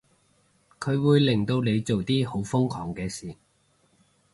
佢會令到你做啲好瘋狂嘅事